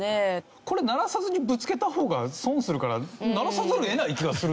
これ鳴らさずにぶつけた方が損するから鳴らさざるを得ない気がするんですよね。